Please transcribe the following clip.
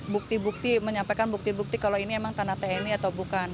bukti bukti menyampaikan bukti bukti kalau ini emang tanah tni atau bukan